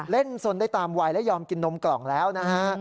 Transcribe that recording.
เล่นสนได้ตามวัยและยอมกินนมกล่องแล้วนะฮะ